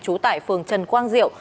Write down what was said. chú tải phường trần quang diệu